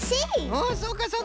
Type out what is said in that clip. おそうかそうか。